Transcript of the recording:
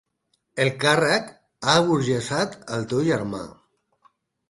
El càrrec ha aburgesat el teu germà.